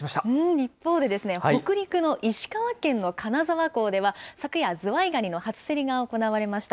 一方で、北陸の石川県の金沢港では、昨夜、ズワイガニの初競りが行われました。